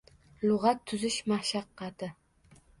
Lug‘at tuzish mashaqqati